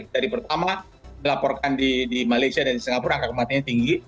dari pertama dilaporkan di malaysia dan di singapura angka kematiannya tinggi